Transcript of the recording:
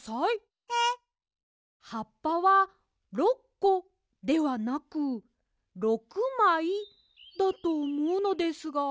はっぱは「６こ」ではなく「６まい」だとおもうのですが。